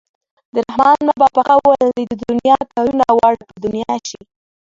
د رحمان بابا په قول د دنیا کارونه واړه په دنیا شي.